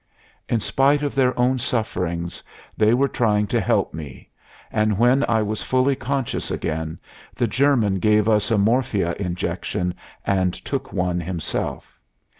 "In spite of their own sufferings, they were trying to help me; and when I was fully conscious again the German gave us a morphia injection and took one himself.